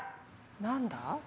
何だ？